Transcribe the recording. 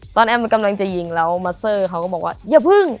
แอมกำลังจะยิงแล้วมัสเซอร์เขาก็บอกว่าอย่าพึ่ง